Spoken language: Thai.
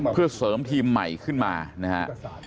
เพื่อเสริมทีมใหม่ขึ้นมานะฮะ